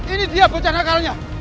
ini dia pocah nakalnya